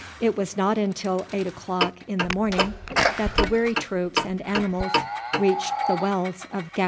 It was not until eight o'clock in the morning that the weary troops and animals reached the wells of Gakdul.